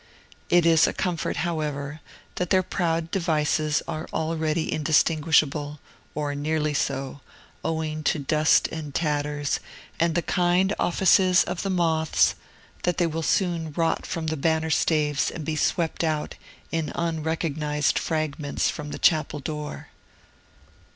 It is a comfort, however, that their proud devices are already indistinguishable, or nearly so, owing to dust and tatters and the kind offices of the moths, and that they will soon rot from the banner staves and be swept out in unrecognized fragments from the chapel door.